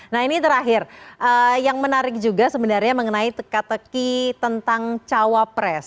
nah ini terakhir yang menarik juga sebenarnya mengenai teka teki tentang cawapres